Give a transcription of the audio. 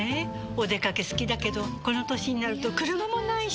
お出かけ好きだけどこの歳になると車もないし。